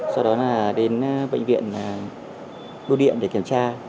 sau đó là đến bệnh viện bưu điện để kiểm tra